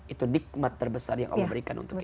itu nikmat terbesar yang allah berikan untuk kita